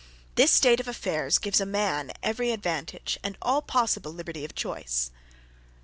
This state of affairs gives a man every advantage and all possible liberty of choice.